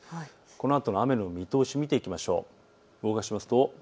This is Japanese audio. このあとの雨の見通しを見ていきましょう。